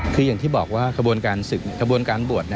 คืออย่างที่บอกว่าขบวนการศึกขบวนการบวช